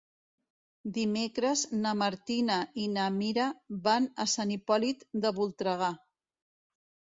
Dimecres na Martina i na Mira van a Sant Hipòlit de Voltregà.